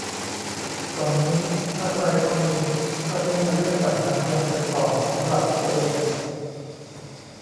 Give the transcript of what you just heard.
ก่อนนี้ ถ้าใครพอมี ก็ใช้เงินเลี่ยงปัญหาเมืองไปก่อนสำหรับตัวเอง